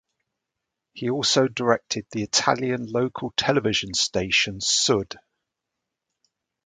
He also directed the Italian local television station Sud.